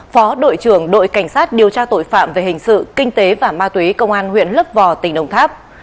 phó đội trưởng đội cảnh sát điều tra tội phạm về hình sự kinh tế và ma túy công an huyện lấp vò tỉnh đồng tháp